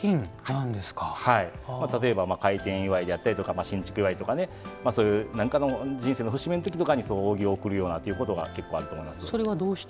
例えば、開店祝やったり新築祝とか、そういう何かの人生の節目のときとかに扇を贈るようなことが結構あると思います。